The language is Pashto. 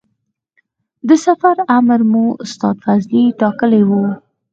د سفر امر مو استاد فضلي ټاکلی و.